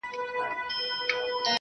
لکه زما زړه، يو داسې بله هم سته~